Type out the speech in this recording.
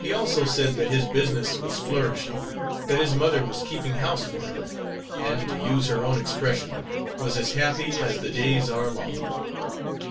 He also said that his business was flourishing, that his mother was keeping house for him, and, to use her own expression, was as happy as the days are long.